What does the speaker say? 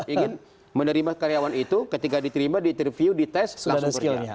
ingin menerima karyawan itu ketika diterima diterview dites sudah ada skillnya